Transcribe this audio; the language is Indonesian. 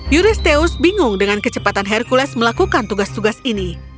yuristeus bingung dengan kecepatan hercules melakukan tugas tugas ini